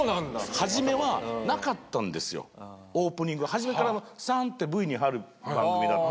初めっからサンッてＶに入る番組だった。